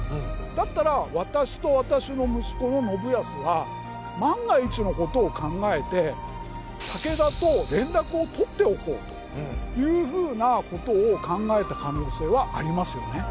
だったら私と私の息子の信康は万が一のことを考えて武田と連絡を取っておこうというふうなことを考えた可能性はありますよね。